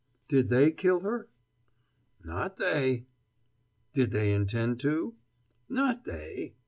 "Did they kill her?" "Not they!" "Did they intend to?" "Not they!"